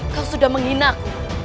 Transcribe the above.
kau sudah menghinak